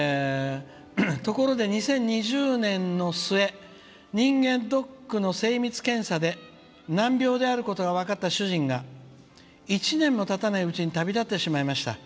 「ところで、２０２０年の末人間ドックの精密検査で難病であることが分かった主人が１年もたたないうちに旅立ってしまいました。